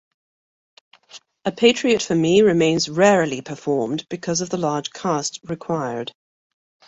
"A Patriot for Me" remains rarely performed because of the large cast required.